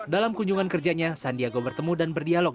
dalam kunjungan kerjanya sandiaga bertemu dan berdialog